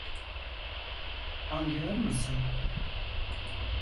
Anliyor musun?